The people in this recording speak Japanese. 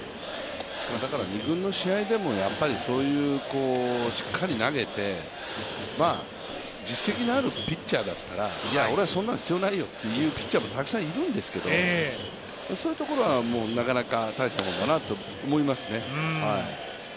２軍の試合でもしっかり投げて、実績のあるピッチャーだったら、いや、俺はそんなの必要ないよと言うたくさんいるんですけど、そういうところはなかなか大したもんだなと思いますね。